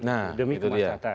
nah itu dia